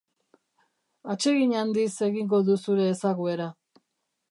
Atsegin handiz egingo du zure ezaguera.